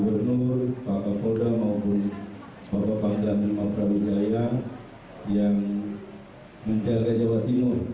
gubernur bapak polda maupun bapak pak jalimah brawijaya yang menjaga jawa timur